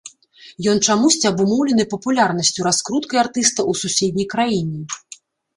Ён чамусьці абумоўлены папулярнасцю, раскруткай артыста ў суседняй краіне.